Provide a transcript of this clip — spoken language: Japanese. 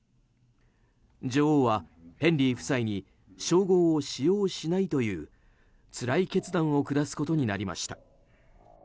女王はヘンリー夫妻に称号を使用しないというつらい決断を下すことになりました。